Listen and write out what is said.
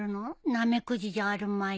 ナメクジじゃあるまいし。